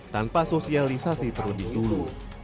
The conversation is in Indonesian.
tanpa sosialisasi terlebih dulu